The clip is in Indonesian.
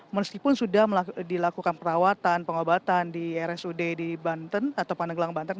meskipun sudah dilakukan perawatan pengobatan di rsud di banten atau pandeglang banten